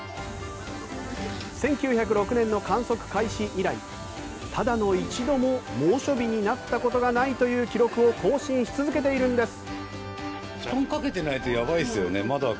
１９０６年の観測開始以来ただの一度も猛暑日になったことがないという記録を更新し続けているんです。